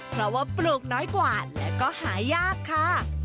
เพราะว่าปลูกน้อยกว่าและก็หายากค่ะ